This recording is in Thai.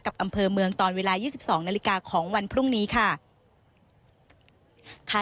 กับอำเภอเมืองตอนเวลายี่สิบสองนาฬิกาของวันพรุ่งนี้ค่ะค่ะ